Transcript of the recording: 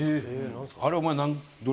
あれお前。